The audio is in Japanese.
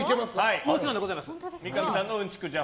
もちろんでございます。